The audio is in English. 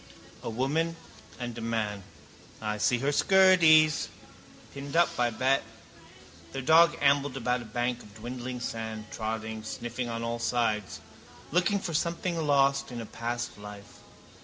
A woman and a man. I see her skirties. Pinned up, I bet. Their dog ambled about a bank of dwindling sand, trotting, sniffing on all sides. Looking for something lost in a past life.